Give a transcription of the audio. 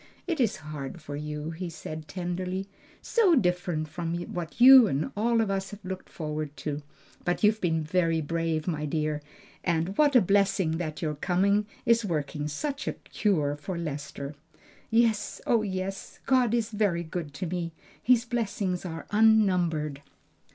"It is hard for you," he said tenderly; "so different from what you and all of us have looked forward to. But you have been very brave, dear; and what a blessing that your coming is working such a cure for Lester!" "Yes, oh yes! God is very good to me, His blessings are unnumbered!"